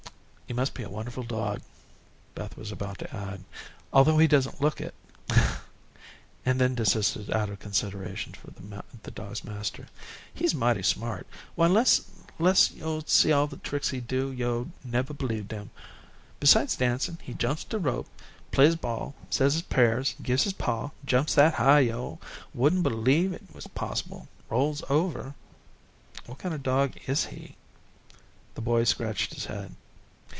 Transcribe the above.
"He must be a wonderful dog" Beth was about to add, "Although he doesn't look it," and then desisted out of consideration for the dog's master. "He's mighty smart. Why, 'less yo'd see all the tricks he does, yo'd never believe dem. Besides dancin', he jumps the rope, plays ball, says his prayers, gives his paw, jumps that high yo' wouldn't b'lieve it possible, rolls over " "What kind of dog is he?" The boy scratched his head.